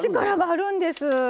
あるんです。